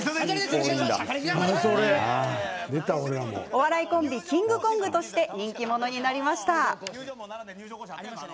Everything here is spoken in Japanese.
お笑いコンビキングコングとして人気者になりました。